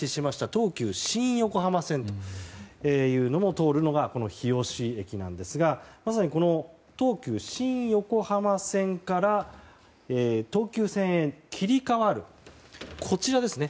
東急新横浜線も通るのが、この日吉駅なんですがまさに東急新横浜線から東横線へ切り替わる